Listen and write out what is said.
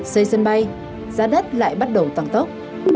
xây sân bay giá đất lại bắt đầu tăng tốc